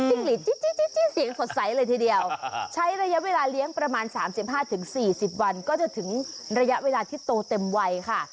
หลีดจี๊ดเสียงสดใสเลยทีเดียวใช้ระยะเวลาเลี้ยงประมาณ๓๕๔๐วันก็จะถึงระยะเวลาที่โตเต็มวัยค่ะ